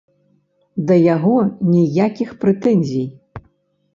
Да яго ніякіх прэтэнзій.